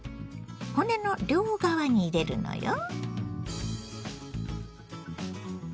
骨の両側に入れるのよ。